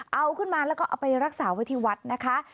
เอาขึ้นมาแล้วก็เอาไปรักษาไว้ที่วัดนะคะ